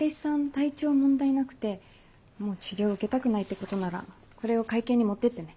体調問題なくてもう治療受けたくないってことならこれを会計に持ってってね。